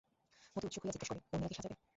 মতি উৎসুক হইয়া জিজ্ঞাস করে, উর্মিলা কে সাজবে?